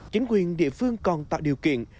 chính quyền địa phương còn tạo điều kiện